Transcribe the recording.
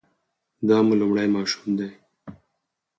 دا مو لومړی ماشوم دی؟